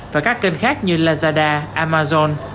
và các kênh khác như lazada amazon